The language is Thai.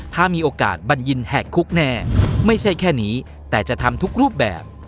ถ้ามีโอกาสบัญญินแหกคุกแน่ไม่ใช่แค่นี้แต่จะทำทุกรูปแบบ